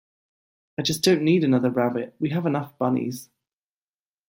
I just don't need another rabbit. We have enough bunnies.